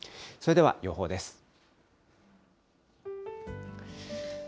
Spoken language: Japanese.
それでは予報です。